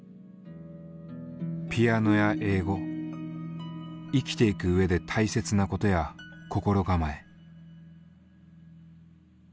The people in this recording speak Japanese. ピアノや英語生きていく上で大切なことや心構え。